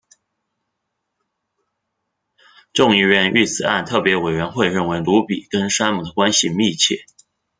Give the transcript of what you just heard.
众议院遇刺案特别委员会认为鲁比跟山姆关系密切。